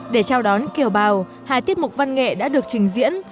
để chào đón kiều bào hai tiết mục văn nghệ đã được trình diễn